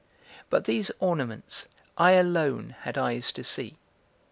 But these ornaments I alone had eyes to see.